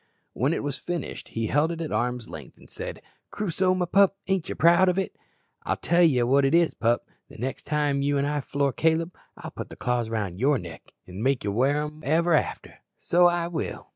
When it was finished he held it out at arm's length, and said, "Crusoe, my pup, ain't ye proud of it? I'll tell ye what it is, pup, the next time you an' I floor Caleb, I'll put the claws round your neck, an' make ye wear em ever arter, so I will."